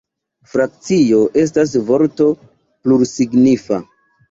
Frakcio estas vorto plursignifa.